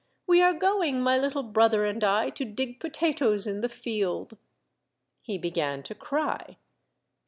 We are going, my little brother and I, to dig potatoes in the field." He began to cry.